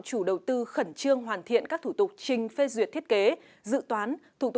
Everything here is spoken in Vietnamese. chủ đầu tư khẩn trương hoàn thiện các thủ tục trình phê duyệt thiết kế dự toán